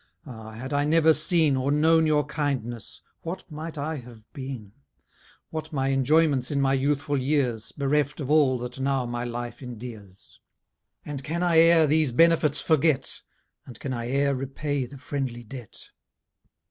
Ah! had I never seen, Or known your kindness, what might I have been? What my enjoyments in my youthful years, Bereft of all that now my life endears? And can I e'er these benefits forget? And can I e'er repay the friendly debt?